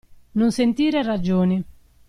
Non sentire ragioni.